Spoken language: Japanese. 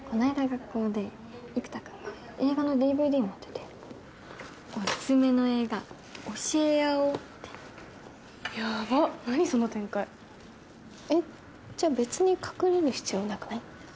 学校で生田くんが映画のＤＶＤ持っててオススメの映画教え合おうってやばっ何その展開えっじゃあ別に隠れる必要なくない？